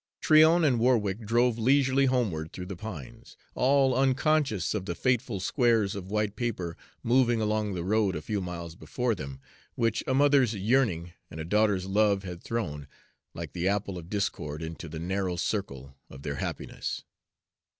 Tryon and Warwick drove leisurely homeward through the pines, all unconscious of the fateful squares of white paper moving along the road a few miles before them, which a mother's yearning and a daughter's love had thrown, like the apple of discord, into the narrow circle of their happiness.